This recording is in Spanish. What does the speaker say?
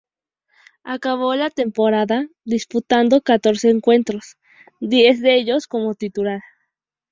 Acabó la temporada disputando catorce encuentros, diez de ellos como titular.